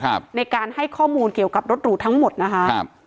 ครับในการให้ข้อมูลเกี่ยวกับรถหรูทั้งหมดนะคะครับ